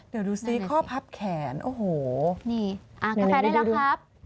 เดี๋ยวดูสิข้อพับแขนว่าแดนละครับ